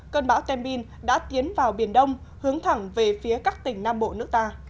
cơn bão tembin đã tiến vào biển đông hướng thẳng về phía các tỉnh nam bộ nước ta